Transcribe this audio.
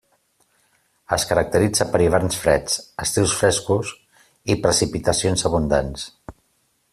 Es caracteritza per hiverns freds, estius frescos i precipitacions abundants.